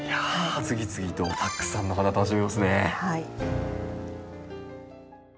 次々とたくさんの花楽しめますね。